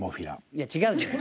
いや違うじゃん。